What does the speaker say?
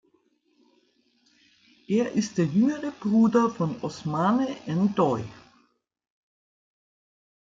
Er ist der jüngere Bruder von Ousmane N’Doye.